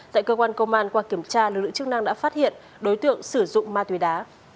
tại cơ quan công an qua kiểm tra lực lượng chức năng đã phát hiện đối tượng sử dụng ma túy đá